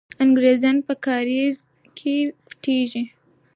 انګریزان په کارېز کې پټېږي.